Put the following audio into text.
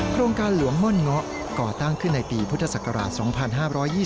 โครงการหลวงม่อนเงาะก่อตั้งขึ้นในปีพุทธศักราช๒๕๒๒